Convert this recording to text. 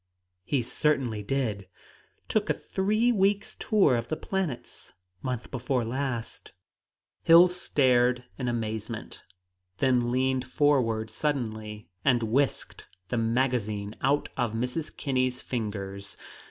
"He certainly did. Took a three weeks' tour of the planets, month before last!" Hill stared in amazement, then leaned forward suddenly and whisked the magazine out of Mrs. Kinney's fingers.